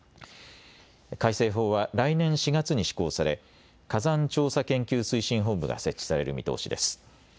改正法は来年４月に施行され火山調査研究推進本部が設置される見通しです。